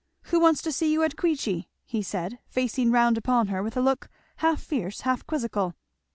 Who wants to see you at Queechy?" he said, facing round upon her with a look half fierce, half quizzical.